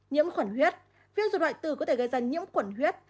nhiễm khuẩn huyết viêm ruột hoại tử có thể gây ra nhiễm khuẩn huyết